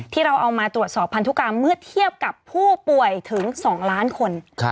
ที่เราเอามาตรวจสอบพันธุกรรมเมื่อเทียบกับผู้ป่วยถึง๒ล้านคน